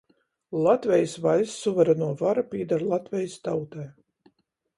Latvejis vaļsts suverenuo vara pīdar Latvejis tautai.